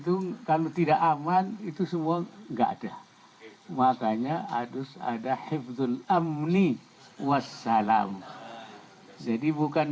itu kalau tidak aman itu semua enggak ada makanya harus ada hifzul amni wassalam jadi bukan